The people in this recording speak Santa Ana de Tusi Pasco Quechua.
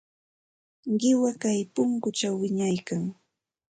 Qiwa kay punkućhaw wiñaykan.